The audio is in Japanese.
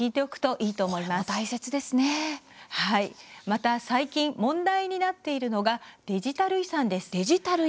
また最近問題になっているのがデジタル遺産です。